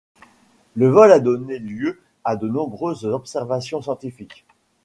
Le vol a donné lieu à de nombreuses observations scientifiques.